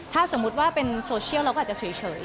ถ้าสมมุติว่าเป็นโซเชียลเราก็อาจจะเฉย